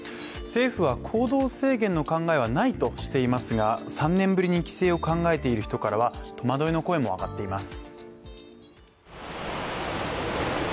政府は行動制限の考えはないとしていますが、３年ぶりに帰省を考えている人からは戸惑いの声も上がっています。